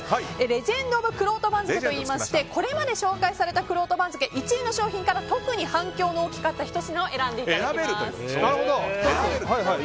レジェンド・オブ・くろうと番付といいましてこれまで紹介されたくろうと番付１位の商品から特に反響の多かった１品を選んでいただけます。